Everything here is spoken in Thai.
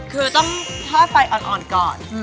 คือต้องทอดไฟอ่อนก่อน